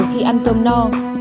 khi ăn cơm no